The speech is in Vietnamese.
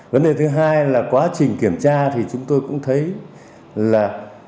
vấn đề thứ hai là quá trình kiểm tra thì chúng tôi cũng thấy là